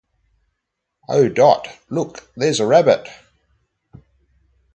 Oh, Dot, look, there’s a rabbit.